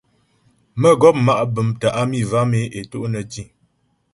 Mə́gɔp ma' bəm tə́ á mi vam e é to' nə́ tî.